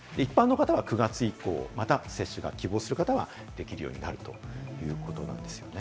一般の方は９月以降、また接種を希望する方はできるようになるということです。